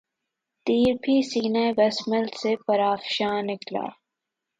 تیر بھی سینۂ بسمل سے پرافشاں نکلا